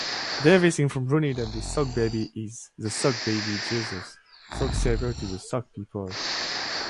Davis informs Ronnie that this Sockbaby is "the Sockbaby Jesus, Sock-savior to the Sock-people".